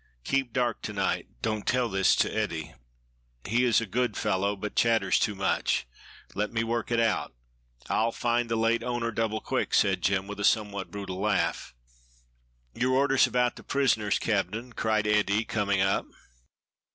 Keep dark to night. Don't tell this to Ede he is a good fellow but chatters too much let me work it out. I'll find the late owner double quick," said Jem, with a somewhat brutal laugh. "Your orders about the prisoners, captain?" cried Ede, coming up.